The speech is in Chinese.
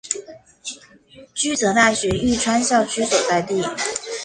驹泽大学玉川校区所在地。